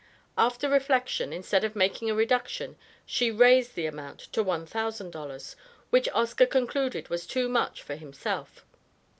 After reflection instead of making a reduction, she raised the amount to one thousand dollars, which Oscar concluded was too much for himself.